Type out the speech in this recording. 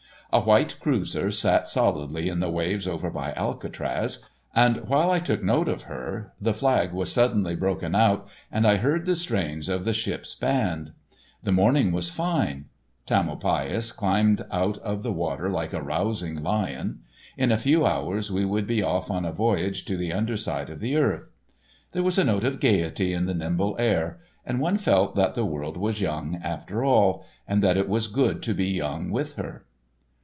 A white cruiser sat solidly in the waves over by Alcatraz, and while I took note of her the flag was suddenly broken out and I heard the strains of the ship's band. The morning was fine. Tamalpais climbed out of the water like a rousing lion. In a few hours we would be off on a voyage to the underside of the earth. There was a note of gayety in the nimble air, and one felt that the world was young after all, and that it was good to be young with her.